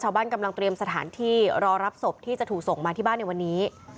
กำลังเตรียมสถานที่รอรับศพที่จะถูกส่งมาที่บ้านในวันนี้